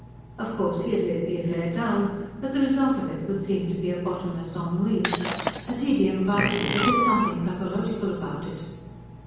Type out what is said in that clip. Of course he had lived the affair down; but the result of it would seem to be a bottomless ENNUI, a TEDIUM VITAE that had something pathological about it.